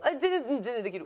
全然できる。